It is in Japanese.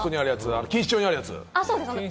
錦糸町にあるやつ？